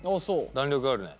弾力があるね。